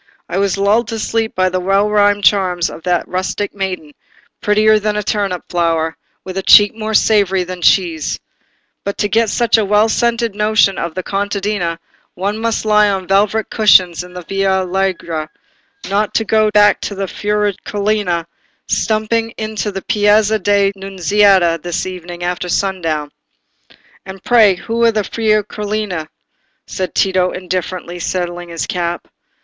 I was lulled to sleep by the well rhymed charms of that rustic maiden—'prettier than the turnip flower,' 'with a cheek more savoury than cheese.' But to get such a well scented notion of the contadina, one must lie on velvet cushions in the Via Larga—not go to look at the Fierucoloni stumping in to the Piazza della Nunziata this evening after sundown." "And pray who are the Fierucoloni?" said Tito, indifferently, settling his cap.